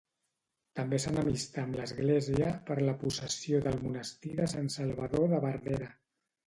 També s'enemistà amb l'església per la possessió del monestir de Sant Salvador de Verdera.